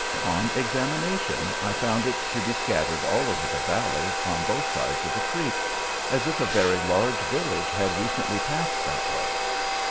On examination I found it to be scattered all over the valley on both sides of the creek, as if a very large village had recently passed that way.